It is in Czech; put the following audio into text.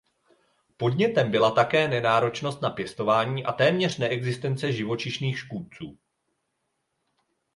Podnětem byla také nenáročnost na pěstování a téměř neexistence živočišných škůdců.